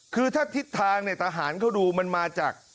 คือถ้าทิศทางเนี่ยทหารเขาดูมันมาจาก